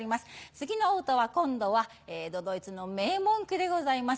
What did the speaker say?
次のお歌は今度は都々逸の名文句でございます